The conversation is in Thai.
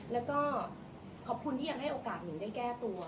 แล้วก็ขอบคุณที่ยังให้โอกาสหนูได้แก้ตัว